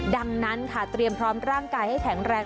ดังนั้นค่ะเตรียมพร้อมร่างกายให้แข็งแรง